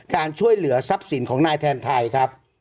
การช่วยเหลือทรัพย์สินของนายแทนไทยครับ